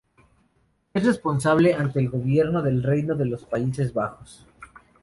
Es responsable ante el Gobierno del Reino de los Países Bajos.